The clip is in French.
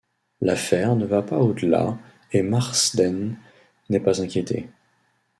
L'affaire ne va pas au-delà et Marsden n'est pas inquiétée.